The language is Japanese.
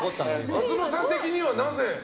松本さん的には、なぜ？